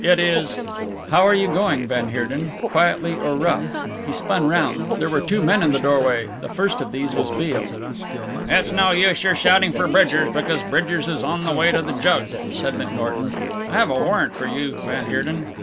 It is " "How are you going, van Heerden? Quietly or rough?" He spun round. There were two men in the doorway, and the first of these was Beale. "It's no use your shouting for Bridgers because Bridgers is on the way to the jug," said McNorton. "I have a warrant for you, van Heerden."